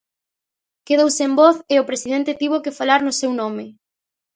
Quedou sen voz e o presidente tivo que falar no seu nome.